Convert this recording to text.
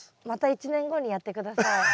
また１年後にやって下さい。